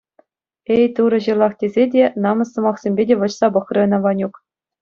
Эй, Турӑ, ҫырлах тесе те, намӑс сӑмахсемпе те вӑрҫса пӑхрӗ ӑна Ванюк.